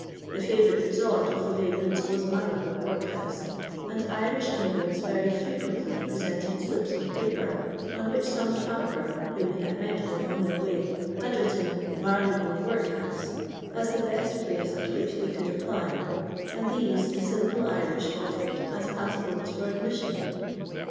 The favourite resort of the vagnnts was Marylebone workhouse, and Irish immigrants very frequently presented slips of paper on which some tramper whom they had met with on their way had written '' Marylebone worihotue," as the best place at which they could apply, and these the simple Irish offered as pass ports for admission